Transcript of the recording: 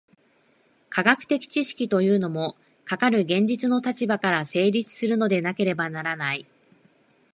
科学的知識というのも、かかる現実の立場から成立するのでなければならない。